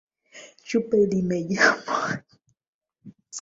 Chupa ilimejaa maji